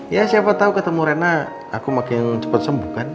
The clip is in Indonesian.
ya siapa tahu ketemu rena aku makin cepat sembuh kan